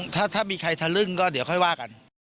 ถ้ามีใครทะลึ่งก็เดี๋ยวค่อยว่ากัน